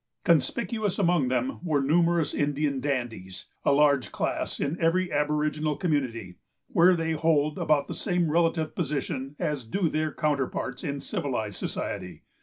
Conspicuous among them were numerous Indian dandies, a large class in every aboriginal community, where they hold about the same relative position as do their counterparts in civilized society.